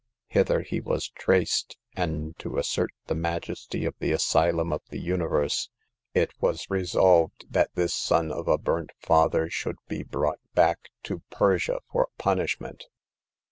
Hither he was traced, and to assert the majesty of the Asylum of the Universe it was resolved that this son of a burnt father should be brought back to Persia for punishment.